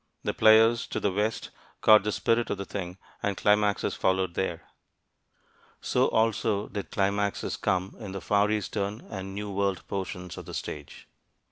The players to the west caught the spirit of the thing, and climaxes followed there. So also did climaxes come in the Far Eastern and New World portions of the stage.